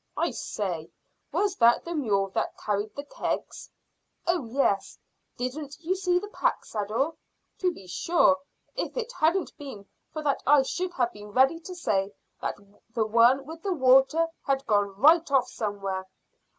"I say, was that the mule that carried the kegs?" "Oh yes; didn't you see the pack saddle?" "To be sure. If it hadn't been for that I should have been ready to say that the one with the water had gone right off somewhere."